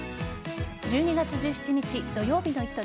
１２月１７日土曜日の「イット！」